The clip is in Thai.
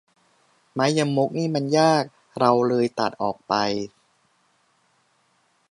ไม่ยมกนี่มันยาก เราเลยตัดออกไป